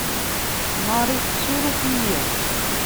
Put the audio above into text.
Marie tessuruf-iyi.